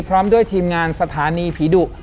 พร้อมด้วยทีมงานสถานีผีดุ